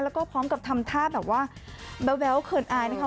แล้วก็พร้อมกับทำท่าแบบว่าแบ๊วเขินอายนะคะ